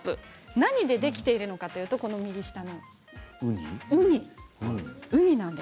何でできているのかというと右下のウニです。